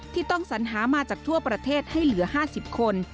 ต้องสัญหามาจากทั่วประเทศให้เหลือ๕๐คน